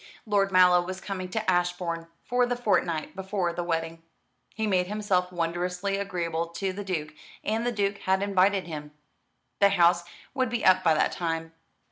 Lord Mallow was coming to Ashbourne for the fortnight before the wedding. He had made himself wondrously agreeable to the Duke, and the Duke had invited him. The House would be up by that time.